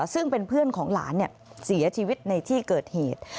ซึ่งเป็นเพื่อนของหลานเสียชีวิตในที่เกิดเหตุ